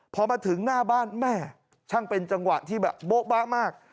พอมาถึงหน้าบ้านแม่ช่างเป็นจังหวะที่แบบโบ๊ะบะมาก